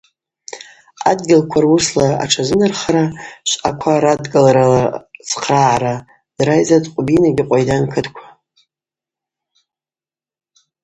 Адгьылква руысла атшазынархара швъаква радгалрала цхърагӏара ддрайдзатӏ Къвбина йгьи Къвайдан кытква.